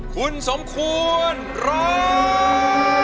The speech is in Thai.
คุณสมควรร้อง